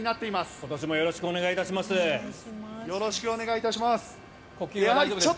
今年もよろしくお願いいたします。